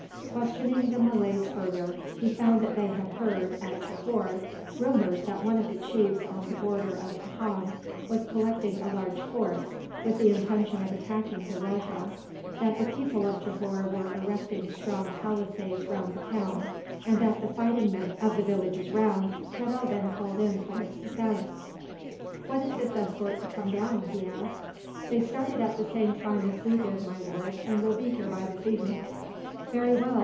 Questioning the Malays further, he found that they had heard, at Johore, rumours that one of the chiefs on the border of Pahang was collecting a large force, with the intention of attacking the rajah; that the people of Johore were erecting strong palisades round the town; and that the fighting men of the villages round had all been called in for its defence. "When is this escort to come down?" he asked. "They started at the same time as we did, my lord, and will be here by this evening." "Very well.